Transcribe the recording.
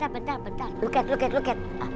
bentar bentar bentar